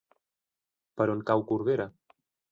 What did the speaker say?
Per on cau Corbera?